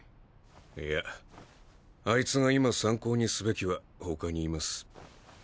いやあいつが今参考にすべきは他にいます。